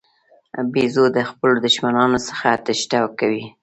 بیزو د خپلو دښمنانو څخه تېښته کوي.